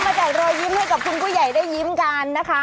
แจกรอยยิ้มให้กับคุณผู้ใหญ่ได้ยิ้มกันนะคะ